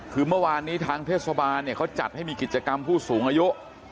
คือเมื่อวานนี้ทางเทศบาลเนี่ยเขาจัดให้มีกิจกรรมผู้สูงอายุ